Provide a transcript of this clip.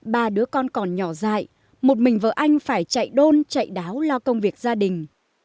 ba đứa con còn nhỏ dại một mình vợ anh phải chạy đôn chạy đáo lo công việc gia đình